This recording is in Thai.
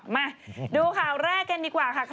มาดูข่าวแรกกันดีกว่าค่ะ